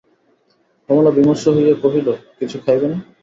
কমলা বিমর্ষ হইয়া কহিল, কিছু খাইবে না?